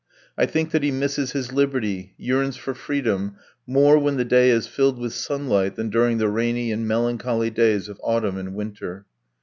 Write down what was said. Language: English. I think that he misses his liberty, yearns for freedom more when the day is filled with sunlight than during the rainy and melancholy days of autumn and winter.